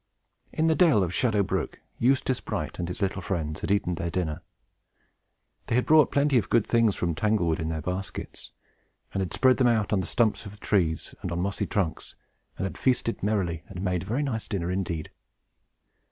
In the dell of Shadow Brook, Eustace Bright and his little friends had eaten their dinner. They had brought plenty of good things from Tanglewood, in their baskets, and had spread them out on the stumps of trees and on mossy trunks, and had feasted merrily, and made a very nice dinner indeed.